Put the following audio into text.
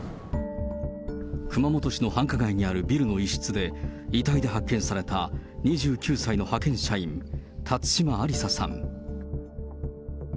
熊本市の繁華街にあるビルの一室で、遺体で発見された２９歳の派遣社員、辰島ありささん。